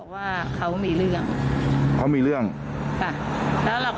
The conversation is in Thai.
คุณเราไม่ได้อะไรกับน้องค่ะ